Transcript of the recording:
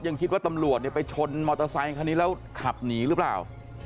ยังคิดว่าตำรวจไปชนมอเตอร์ไซคันนี้แล้วขับหนีหรือเปล่า